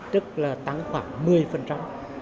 tức là tăng khoảng một mươi